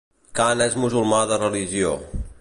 Khan és musulmà de religió.